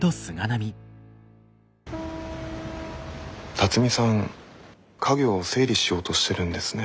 龍己さん家業を整理しようとしてるんですね。